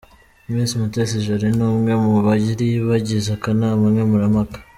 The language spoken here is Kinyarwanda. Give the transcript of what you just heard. Miss Mutesi Jolly ni umwe mu bari bagize akanama nkemurampaka.